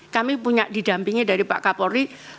kami punya didampingi dari pak kapolri